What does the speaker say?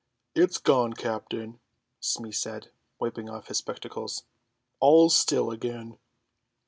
"It's gone, captain," Smee said, wiping off his spectacles. "All's still again."